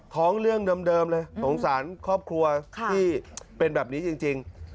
เรื่องเดิมเลยสงสารครอบครัวที่เป็นแบบนี้จริง